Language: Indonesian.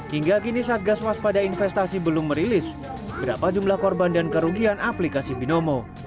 hingga kini satgas waspada investasi belum merilis berapa jumlah korban dan kerugian aplikasi binomo